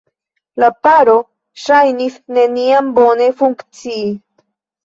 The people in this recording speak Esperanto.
La paro ŝajnis neniam bone funkcii.